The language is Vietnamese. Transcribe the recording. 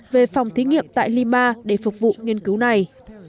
về phòng thí nghiệm tại lima để phục vụ nghiên cứu này